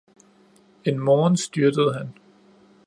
En morgen styrtede han.